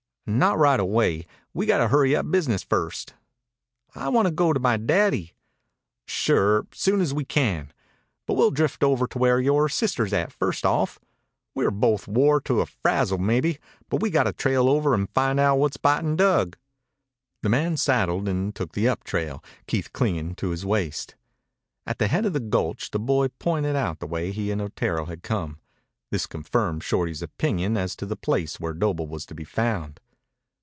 "Not right away. We got hurry up business first." "I wanta go to my daddy." "Sure. Soon as we can. But we'll drift over to where yore sister's at first off. We're both wore to a frazzle, mebbe, but we got to trail over an' find out what's bitin' Dug." The man saddled and took the up trail, Keith clinging to his waist. At the head of the gulch the boy pointed out the way he and Otero had come. This confirmed Shorty's opinion as to the place where Doble was to be found.